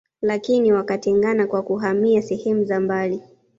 Lakini wakatengana kwa kuhamia sehemu za mbali